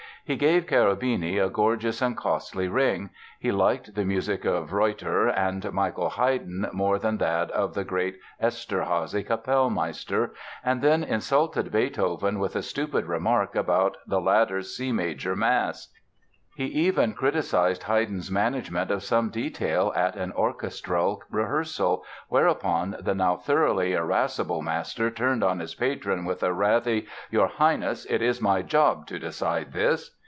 He gave Cherubini a gorgeous and costly ring, he liked the music of Reutter and Michael Haydn more than that of the great Eszterházy Capellmeister, and then insulted Beethoven with a stupid remark about the latter's C major Mass. He even criticised Haydn's management of some detail at an orchestral rehearsal, whereupon the now thoroughly irascible master turned on his patron with a wrathy: "Your Highness, it is my job to decide this!"